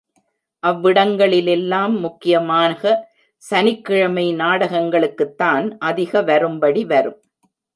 அவ்விடங்களிலெல்லாம் முக்கியமாக சனிக்கிழமை நாடகங்களுக்குத்தான் அதிக வரும்படி வரும்.